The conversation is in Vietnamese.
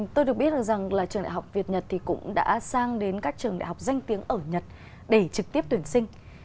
tôi được biết rằng là trường đại học việt nhật thì cũng đã sang đến các trường đại học danh tiếng ở nhật để trực tiếp tuyển sinh